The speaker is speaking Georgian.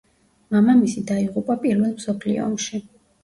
მამამისი დაიღუპა პირველ მსოფლიო ომში.